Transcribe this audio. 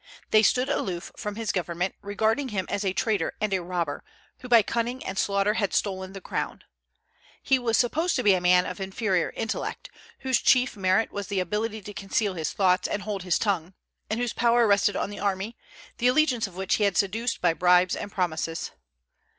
They stood aloof from his government, regarding him as a traitor and a robber, who by cunning and slaughter had stolen the crown. He was supposed to be a man of inferior intellect, whose chief merit was the ability to conceal his thoughts and hold his tongue, and whose power rested on the army, the allegiance of which he had seduced by bribes and promises.